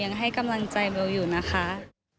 ยังให้กำลังใจเบลอยู่นะคะ